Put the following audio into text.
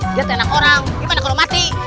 dia tenang orang gimana kalau mati